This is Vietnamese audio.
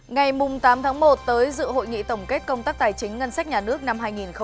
ngày tám tháng một tới dự hội nghị tổng kết công tác tài chính ngân sách nhà nước năm hai nghìn một mươi chín